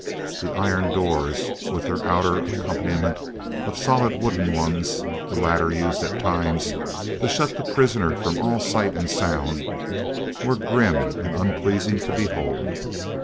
The iron doors, with their outer accompaniment of solid wooden ones, the latter used at times to shut the prisoner from all sight and sound, were grim and unpleasing to behold.